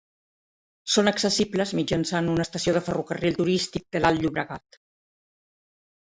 Són accessibles mitjançant una estació del Ferrocarril Turístic de l'Alt Llobregat.